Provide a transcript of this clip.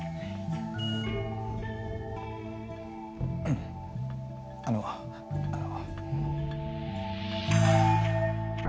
んんっあのあの。